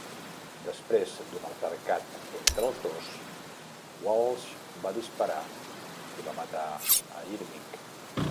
Després d'un altercat entre els dos, Walsh va disparar i va matar a Irving.